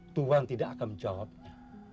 tuhan tidak akan menjawabnya